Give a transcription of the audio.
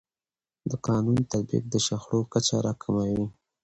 د قانون تطبیق د شخړو کچه راکموي.